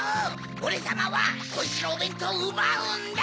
オレさまはこいつのおべんとうをうばうんだ！